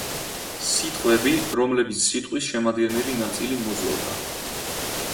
სიტყვები, რომლებიც სიტყვის შემადგენელი ნაწილი მოძველდა.